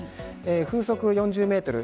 風速４０メートル